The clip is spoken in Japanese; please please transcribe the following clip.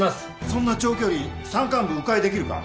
そんな長距離山間部迂回できるか？